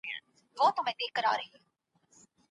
د بشپړتيا قانون څوک مني؟